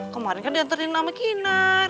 kemarin kan diantarin namanya kinar